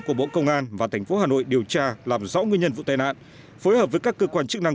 của bộ công an và thành phố hà nội điều tra làm rõ nguyên nhân vụ tai nạn phối hợp với các cơ quan chức năng